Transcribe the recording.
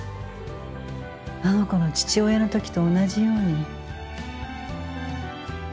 あの子の父親の時と同じように。